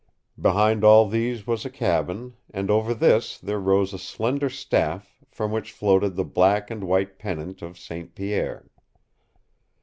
Behind all these was a cabin, and over this there rose a slender staff from which floated the black and white pennant of St. Pierre.